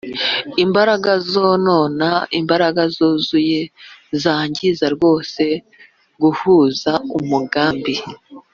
imbaraga zonona; imbaraga zuzuye zangiza rwose guhuza umugani